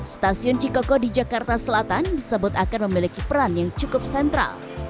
stasiun cikoko di jakarta selatan disebut akan memiliki peran yang cukup sentral